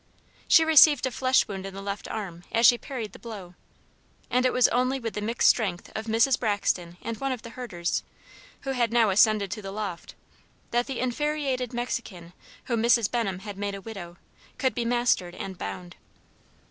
She received a flesh wound in the left arm as she parried the blow, and it was only with the mixed strength of Mrs. Braxton and one of the herders, who had now ascended to the loft, that the infuriated Mexican whom Mrs. Benham had made a widow, could be mastered and bound.